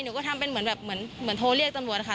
หนูก็ทำเป็นเหมือนโทรเรียกจังหวัดค่ะ